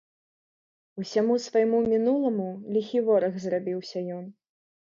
Усяму свайму мінуламу ліхі вораг зрабіўся ён.